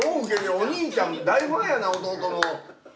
お兄ちゃん大ファンやな弟の。